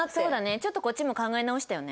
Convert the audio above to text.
ちょっとこっちも考え直したよね。